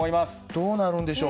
どうなるんでしょう？